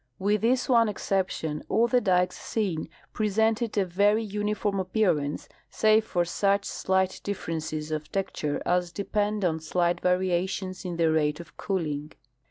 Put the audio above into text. With this one exception, all the dikes seen presented a very uniform appearance, save for such slight differences of texture as depend on slight variations in the rate of cooling.